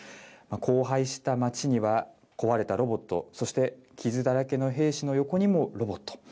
荒廃した街には壊れたロボット、そして、傷だらけの兵士の横にもロボット。